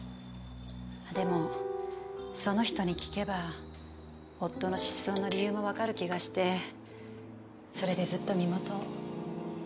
でもその人に聞けば夫の失踪の理由もわかる気がしてそれでずっと身元を。